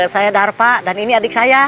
saya darva dan ini adik saya